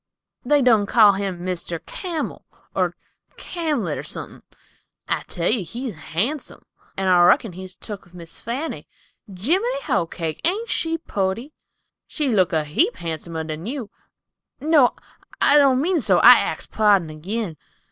"They done call him Mr. Camel, or Camlet, or suthin. I tell you he's han'some; and I reckon he's tuk with Miss Fanny. Jiminy hoecake! Ain't she pooty? She looked a heap han'somer than you—no, I don't mean so—I axes pardon agin."